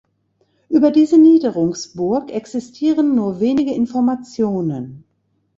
Über diese Niederungsburg existieren nur wenige Informationen.